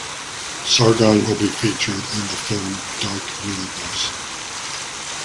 Sargon will be featured in the film "Dark Universe".